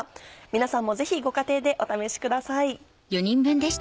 皆さんもぜひご家庭でお試しください。